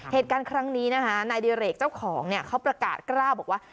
เหตุการณ์ครั้งนี้นะคะนายดิเรกเจ้าของเนี่ยเขาประกาศกล้าวบอกว่า